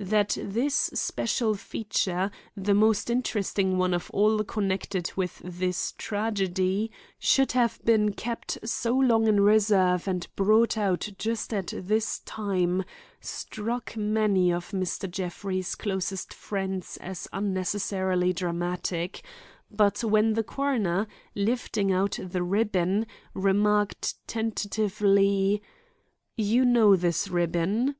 That this special feature, the most interesting one of all connected with this tragedy, should have been kept so long in reserve and brought out just at this time, struck many of Mr. Jeffrey's closest friends as unnecessarily dramatic; but when the coroner, lifting out the ribbon, remarked tentatively, "You know this ribbon?"